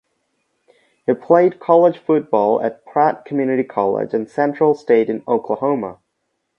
He played college football at Pratt Community College and Central State in Oklahoma.